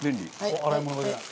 洗い物が出ない。